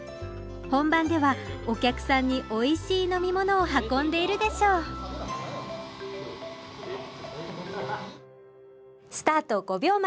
本番ではお客さんにおいしい飲み物を運んでいるでしょうスタート５秒前。